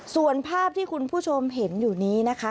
ส่วนภาพที่คุณผู้ชมเห็นอยู่นี้นะคะ